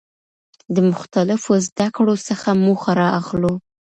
د مختلفو زده کړو څخه موخه را اخلو.